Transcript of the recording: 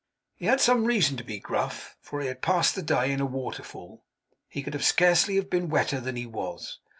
He had some reason to be gruff, for if he had passed the day in a waterfall, he could scarcely have been wetter than he was.